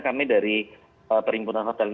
kami dari perhimpunan hotel